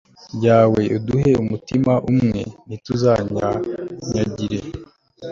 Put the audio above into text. ryawe, uduhe umutima umwe, ntituzanyanyagire